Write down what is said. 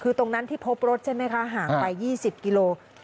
คือตรงนั้นที่พบรถใช่ไหมคะห่างไป๒๐กิโล